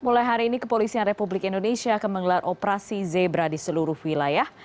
mulai hari ini kepolisian republik indonesia akan menggelar operasi zebra di seluruh wilayah